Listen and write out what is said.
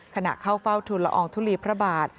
ขณะเข้าเฝ้าทุนละอองทุลีพระบาท